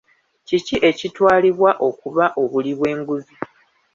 Kiki ekitwalibwa okuba obuli bw'enguzi?